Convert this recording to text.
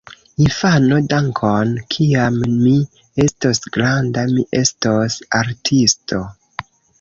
Infano: "Dankon! Kiam mi estos granda, mi estos artisto!"